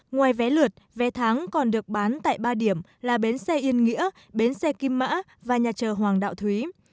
ngoài vé lượt vé tháng còn được bán tại ba điểm là bến xe yên nghĩa bến xe kim mã và nhà chờ hoàng đạo thúy